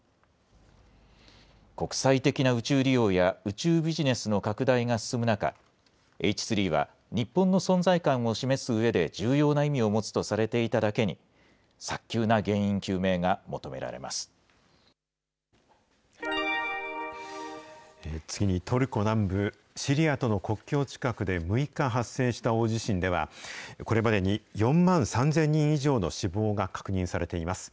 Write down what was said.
国際的な宇宙利用や、宇宙ビジネスの拡大が進む中、Ｈ３は日本の存在感を示すうえで、重要な意味を持つとされていただけに、次に、トルコ南部、シリアとの国境近くで６日発生した大地震では、これまでに４万３０００人以上の死亡が確認されています。